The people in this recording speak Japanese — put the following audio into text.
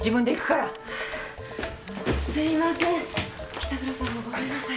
紀三郎さんもごめんなさい。